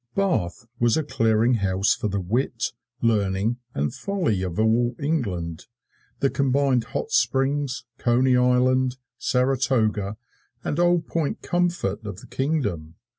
Bath was a clearing house for the wit, learning and folly of all England the combined Hot Springs, Coney Island, Saratoga and Old Point Comfort of the Kingdom.